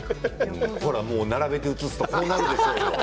ほら、もう並べて映すとこうなるでしょうよ。